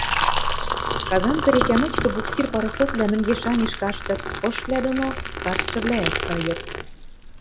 Казанка река мычкы буксир пароходвлӓ мӹнгеш-анеш каштыт, пышвлӓ доно каштшывлӓӓт кайыт.